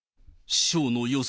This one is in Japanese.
師匠の予想